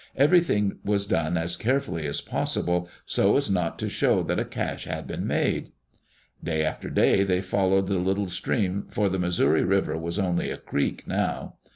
Every thing was done as carefully as possible, so as not to show that a cache had been made. Day after day they followed the little stream, for the 'Missouri River was only a creek now.